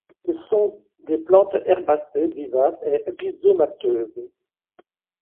Ce sont des plantes herbacées, vivaces et rhizomateuses.